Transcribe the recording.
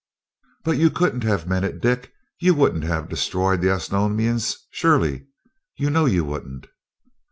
"But you couldn't have meant it, Dick! You wouldn't have destroyed the Osnomians, surely you know you wouldn't."